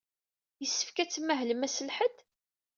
Yessefk ad tmahlem ass n lḥedd?